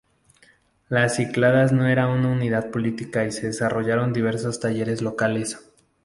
Las Cícladas no eran una unidad política y se desarrollaron diversos talleres locales.